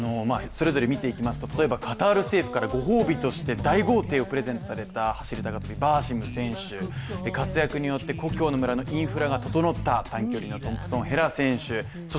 それぞれ見ていきますと、例えばカタール政府からご褒美として大豪邸をプレゼントされた走高跳、バーシム選手、活躍によって故郷の村のインフラが整った短距離のトンプソンヘラ選手